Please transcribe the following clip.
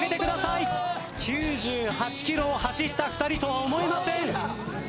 ９８ｋｍを走った２人とは思えません。